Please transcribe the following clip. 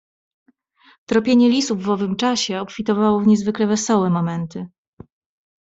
"Tropienie lisów w owym czasie obfitowało w niezwykle wesołe momenty."